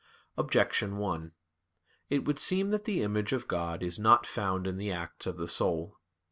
Objection 1: It would seem that the image of God is not found in the acts of the soul.